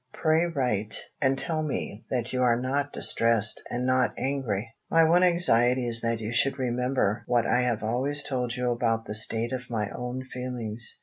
Pray write and tell me that you are not distressed and not angry. My one anxiety is that you should remember what I have always told you about the state of my own feelings.